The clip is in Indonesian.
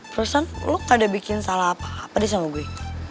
perusahaan lu gak ada bikin salah apa apa deh sama gue